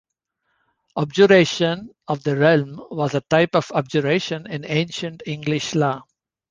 Abjuration of the realm was a type of abjuration in ancient English law.